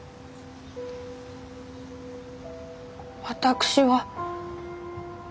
私は。